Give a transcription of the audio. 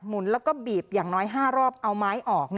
หุ่นแล้วก็บีบอย่างน้อย๕รอบเอาไม้ออก